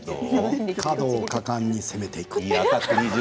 角を果敢に攻めていく。